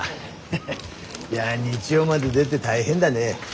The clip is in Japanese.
いや日曜まで出で大変だね。